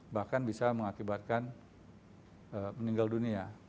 bahkan bisa mengakibatkan meninggal dunia